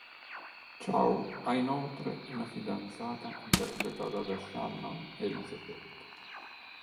Chau ha inoltre una fidanzata interpretata da Shannon Elizabeth.